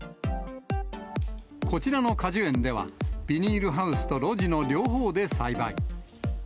こちらの果樹園では、ビニールハウスと露地の両方で栽培。